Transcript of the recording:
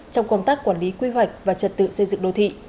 trong công tác quản lý quy hoạch và trật tự xây dựng đô thị